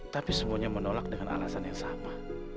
tapi semuanya menolak dengan alasan yang sama